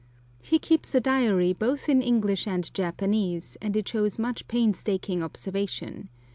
He keeps a diary both in English and Japanese, and it shows much painstaking observation.